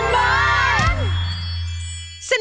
อาจี